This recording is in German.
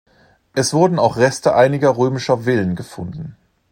Es wurden auch Reste einiger römischer Villen gefunden.